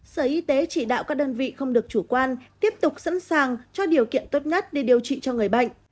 sở y tế chỉ đạo các đơn vị không được chủ quan tiếp tục sẵn sàng cho điều kiện tốt nhất để điều trị cho người bệnh